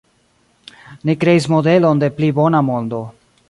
Ni kreis modelon de pli bona mondo.